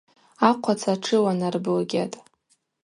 Ахъваца тшыланарблыгьатӏ.